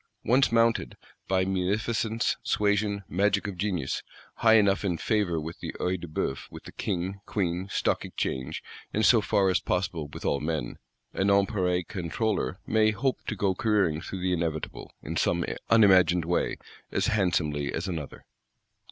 Once mounted (by munificence, suasion, magic of genius) high enough in favour with the Œil de Bœuf, with the King, Queen, Stock Exchange, and so far as possible with all men, a Nonpareil Controller may hope to go careering through the Inevitable, in some unimagined way, as handsomely as another.